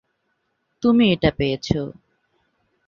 তুমি এটা পেয়েছ।